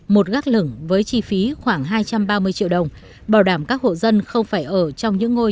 một gác lửng với chi phí khoảng hai trăm ba mươi triệu đồng bảo đảm các hộ dân không phải ở trong những ngôi